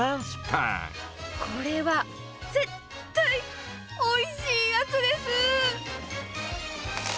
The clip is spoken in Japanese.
これは絶対おいしいやつです。